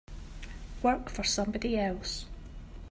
Work for somebody else.